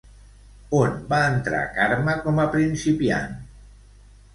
On va entrar Carme com a principiant?